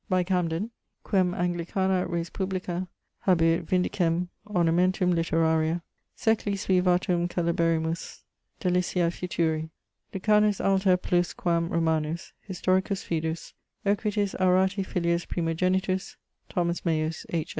By Camden: Quem Anglicana respublica habuit vindicem, ornamentum literaria, secli sui vatum celeberrimus, deliciae futuri, Lucanus alter plus quam Romanus, historicus fidus, equitis aurati filius primogenitus, Thomas Maius H.